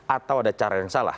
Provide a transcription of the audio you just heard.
atau ada cara yang salah